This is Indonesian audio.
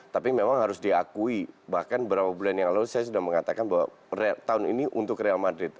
tapi memang harus diakui bahkan beberapa bulan yang lalu saya sudah mengatakan bahwa tahun ini untuk real madrid